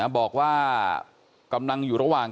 บอกว่ากำลังอยู่ระหว่าง